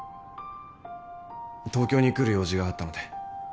東京に来る用事があったので。